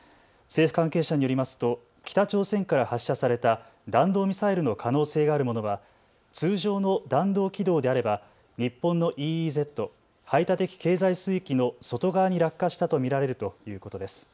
政府関係者によりますと北朝鮮から発射された弾道ミサイルの可能性があるものは通常の弾道軌道であれば日本のＥＥＺ・排他的的経済水域の外側に落下したと見られるということです。